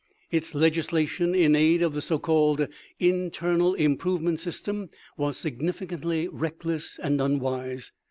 Its legislation in aid of the so called internal improvement system was sig nificantly reckless and unwise.